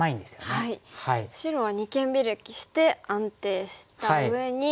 白は二間ビラキして安定したうえに。